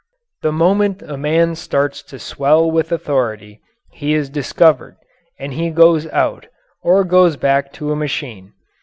The moment a man starts to swell with authority he is discovered, and he goes out, or goes back to a machine.